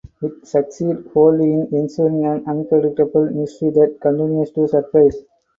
It succeeds wholly in ensuring an unpredictable mystery that continues to surprise.